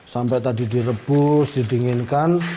sampai tadi direbus didinginkan